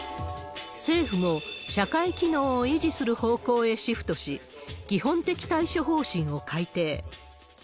政府も、社会機能を維持する方向へシフトし、基本的対処方針を改定。